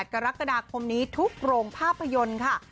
กรกฎาคมนี้ทุกโรงภาพยนตร์ค่ะ